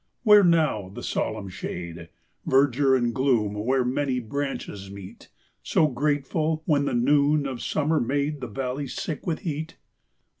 Where now the solemn shade, Verdure and gloom where many branches meet; So grateful, when the noon of summer made The valleys sick with heat?